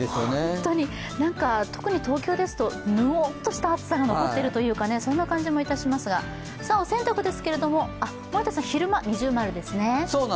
本当に、なんか特に東京ですとむおっとした暑さが残っているというか、そんな感じもいたしますが、お洗濯ですけれども、森田さん、昼間◎ですね。